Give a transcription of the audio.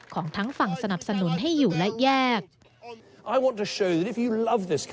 ของทั้งฝั่งสนับสนุนให้อยู่และแยก